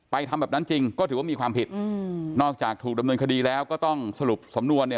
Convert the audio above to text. ทำแบบนั้นจริงก็ถือว่ามีความผิดนอกจากถูกดำเนินคดีแล้วก็ต้องสรุปสำนวนเนี่ย